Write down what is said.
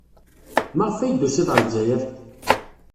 Maɣef ay d-tusid ɣer Lezzayer?